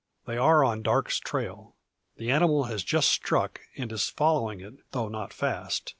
They are on Darke's trail. The animal has just struck, and is following it, though not fast.